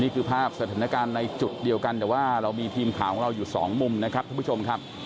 ภาพสถานการณ์ในจุดเดียวกันแต่ว่าเรามีทีมข่าวของเราอยู่สองมุมนะครับท่านผู้ชมครับ